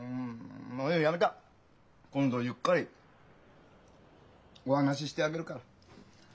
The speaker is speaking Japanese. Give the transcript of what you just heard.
今度ゆっくりお話ししてあげるから。